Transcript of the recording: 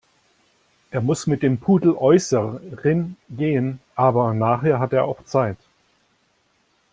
Er muss mit dem Pudel äußerln gehen, aber nachher hat er auch Zeit.